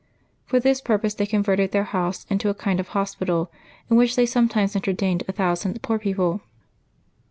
For this purpose they converted their house into a kind of hospital, in which ^b^^metimes entertained a thousand poor people.